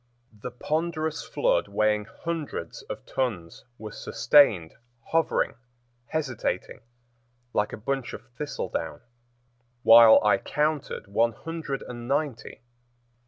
The ponderous flood, weighing hundreds of tons, was sustained, hovering, hesitating, like a bunch of thistledown, while I counted one hundred and ninety.